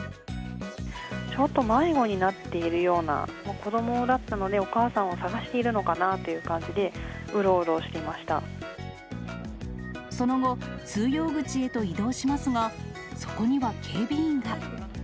ちょっと迷子になっているような子どもだったので、お母さんを探しているのかなという感じで、その後、通用口へと移動しますが、そこには警備員が。